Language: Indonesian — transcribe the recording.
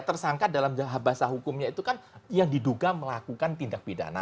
tersangka dalam bahasa hukumnya itu kan yang diduga melakukan tindak pidana